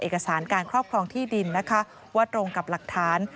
เอกสารการครอบครองที่ดินนะคะว่าตรงกับหลักฐาน